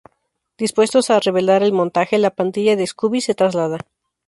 Dispuestos a revelar el montaje, la pandilla de Scooby se traslada.